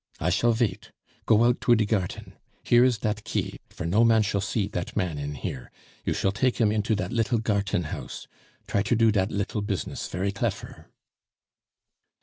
I shall vait. Go out trough de garten. Here is dat key, for no man shall see dat man in here. You shall take him into dat little garten house. Try to do dat little business very clefer."